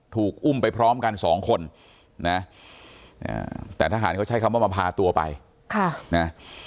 ถูกอุ้มไปพร้อมกันสองคนนะแต่ทหารเขาใช้คำว่ามาพาตัวไปค่ะนะ